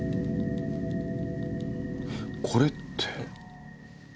これって。